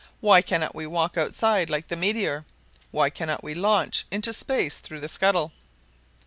Why cannot we walk outside like the meteor? Why cannot we launch into space through the scuttle?